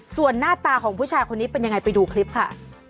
ส่วนหน้าตาของผู้ชายคนนี้เป็นยังไงไปดูคลิปค่ะ